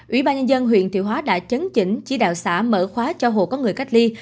ủy ban nhân dân huyện thiệu hóa đã chấn chỉnh chỉ đạo xã mở khóa cho hộ có người cách ly